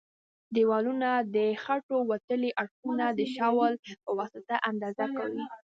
د دېوالونو د خښتو وتلي اړخونه د شاول په واسطه اندازه کوي.